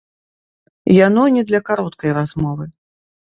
Яно не для кароткай размовы.